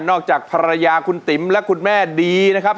จากภรรยาคุณติ๋มและคุณแม่ดีนะครับ